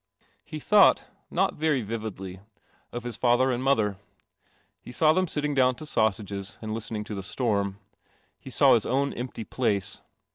He thought, not very vividly, of his father and mother. He saw them sitting down to sausages and listening to the storm. He saw his own empty place.